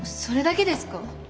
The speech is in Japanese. それだけですか？